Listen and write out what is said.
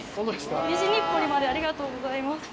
西日暮里までありがとうございます。